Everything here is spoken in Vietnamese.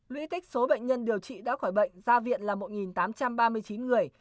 lũy tích số bệnh nhân điều trị đã khỏi bệnh ra viện là một tám trăm ba mươi chín người